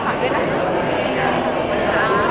ขอบคุณค่ะ